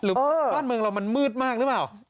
บ้านเมืองเรามันมืดมากหรือเปล่า